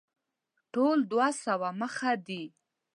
ټول دوه سوه مخه دی.